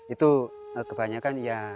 itu kebanyakan ya saya itu